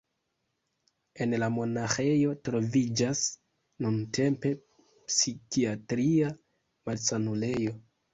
En la monaĥejo troviĝas nuntempe psikiatria malsanulejo.